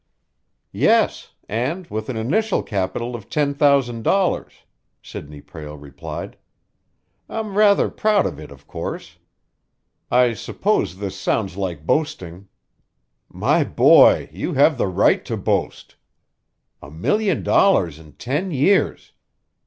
"Yes; and with an initial capital of ten thousand dollars," Sidney Prale replied. "I'm rather proud of it, of course. I suppose this sounds like boasting " "My boy, you have the right to boast! A million dollars in ten years!